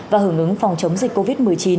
và hưởng ứng phòng chống dịch covid một mươi chín